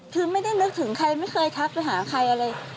คือไม่ได้นึกถึงใครไม่เคยทักไปหาใครอะไร